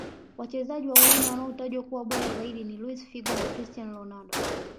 Wachezaji wa ureno wanaotajwa kuwa bora zaidi ni luis figo na cristiano ronaldo